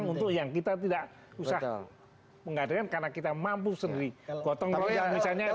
untuk yang kita tidak usah mengadakan karena kita mampu sendiri gotong royong misalnya